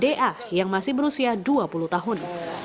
dan da yang masih berusia dua puluh tahun